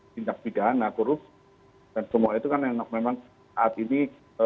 tindak pidana korupsi dan semua itu kan enak memang saat ini